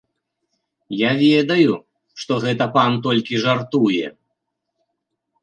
Я ведаю, што гэта пан толькі жартуе.